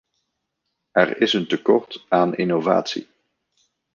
Er is een tekort aan innovatie.